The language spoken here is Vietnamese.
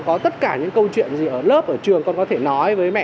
có tất cả những câu chuyện gì ở lớp ở trường con có thể nói với mẹ